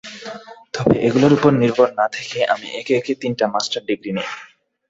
তবে, এগুলোর ওপর নির্ভর না থেকে আমি একে একে তিনটা মাস্টার্স ডিগ্রী নেই।